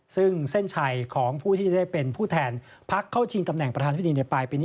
ซึ่งเส้นชัยของผู้ที่จะได้เป็นผู้แทนพักเข้าชิงตำแหน่งประธานพิธีในปลายปีนี้